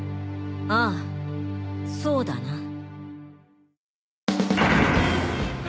ああそうだな。